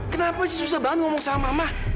kenapa sih susah banget ngomong sama mama